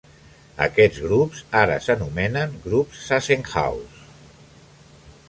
Aquests grups ara s'anomenen grups Zassenhaus.